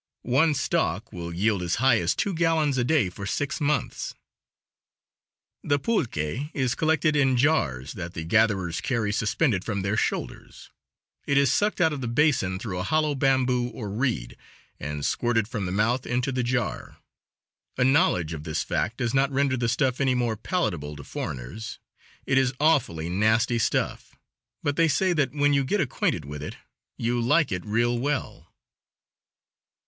One stalk will yield as high as two gallons a day for six months. The pulque is collected in jars that the gatherers carry suspended from their shoulders. It is sucked out of the basin through a hollow bamboo or reed, and squirted from the mouth into the jar. A knowledge of this fact does not render the stuff any more palatable to foreigners. It is awfully nasty stuff, but they say that when you get acquainted with it you like it real well.